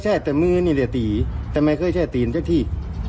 แค่แต่มื้อนี่เดี๋ยวตีแต่ไม่เคยใช่ตีมันก็ตี